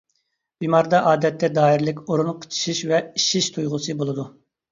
بىماردا ئادەتتە دائىرىلىك ئورۇن قىچىشىش ۋە ئىششىش تۇيغۇسى بولىدۇ.